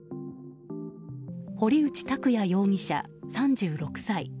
堀内拓也容疑者、３６歳。